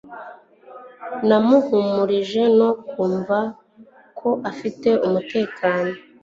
Nahumurijwe no kumva ko afite umutekano